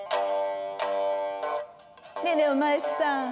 ねえねえお前さん。